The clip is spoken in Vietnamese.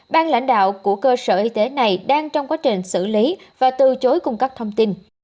ban lãnh đạo của cơ sở y tế này đang trong quá trình xử lý và từ chối cung cấp thông tin